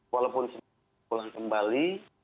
walaupun pulang kembali